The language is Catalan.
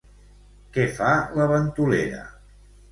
Què fa la ventolera?